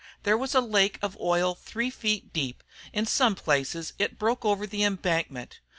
There was a lake of oil three feet deep; in some places it broke over the embankment.